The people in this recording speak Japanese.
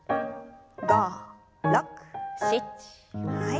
５６７はい。